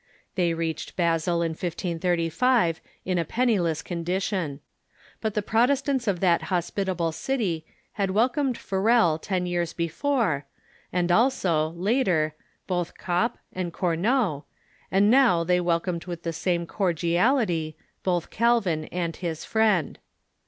They reached Basel in 1535 in a pen niless condition ; but the Protestants of that hospitable city had welcomed Farel ten years before, and also, later, both Cop and Courault, and now they welcomed with the same cordial ity both Calvin and his friend.